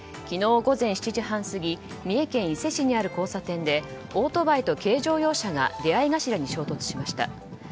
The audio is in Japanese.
昨日午前７時半過ぎ三重県伊勢市にある交差点でオートバイと軽乗用車が出合い頭に衝突しました。